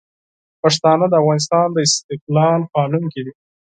پښتانه د افغانستان د استقلال پالونکي دي.